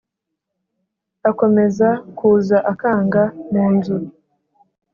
akomeza kuza akanga mu nzu